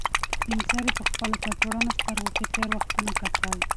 سپین سرې په خپل کڅوړنو سترګو کې تېر وختونه کتل.